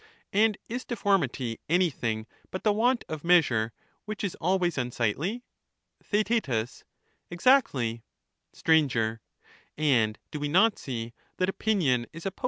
And is deformity anjrthing but the want of measure, which is always unsightly ? Theaet. Exactly. Str. And do we not see that opinion is opposed to VOL. IV.